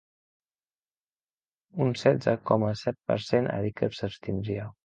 Un setze coma set per cent ha dit que s’abstindria.